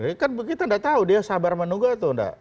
jadi kan kita tidak tahu dia sabar menunggu atau tidak